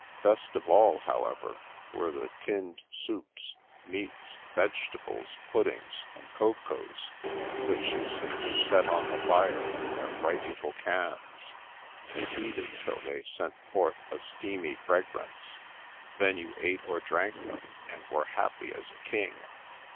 Best of all, however, were the tinned soups, meats, vegetables, pud dings, and cocoas, which you simply set on the fire in their bright little cans, and heated till they sent forth a steamy fragrance. Then you ate or drank them, and were happy as a king.